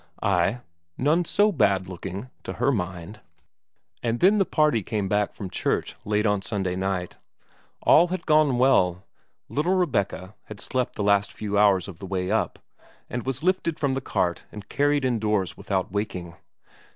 Ay, none so bad looking to her mind! And then the party came back from church late on Sunday night. All had gone well, little Rebecca had slept the last few hours of the way up, and was lifted from the cart and carried indoors without waking.